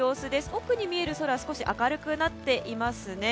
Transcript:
奥に見える空が少し明るくなっていますね。